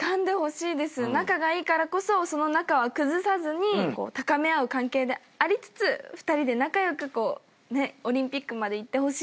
仲がいいからこそその仲は崩さずにこう高め合う関係でありつつ２人で仲良くこうねオリンピックまで行ってほしいです。